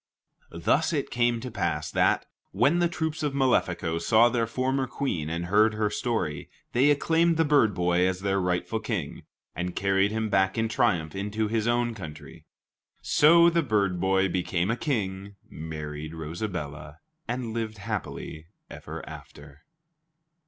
Thus it came to pass that, when the troops of Malefico saw their former Queen and heard her story, they acclaimed the bird boy as their rightful king, and carried him back in triumph into his own country. So the bird boy became a king, married Rosabella, and lived happily ever after.